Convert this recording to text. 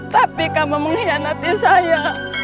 tapi kamu mengkhianati saya